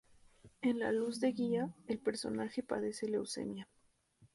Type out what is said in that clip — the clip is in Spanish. En "La luz de guía", el personaje padece Leucemia.